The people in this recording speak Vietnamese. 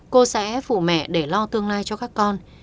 cô sẽ phụ mẹ để lo tương lai cho các con